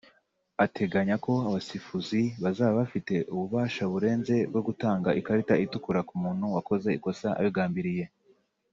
Ateganya ko abasifuzi bazaba bafite ububasha burenze bwo gutanga ikarita itukura ku muntu wakoze ikosa abigambiriye